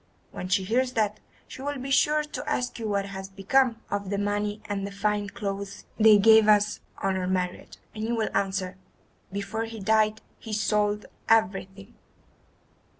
When she hears that, she will be sure to ask you what has become of the money and the fine clothes she gave us on our marriage, and you will answer, 'before he died he sold everything.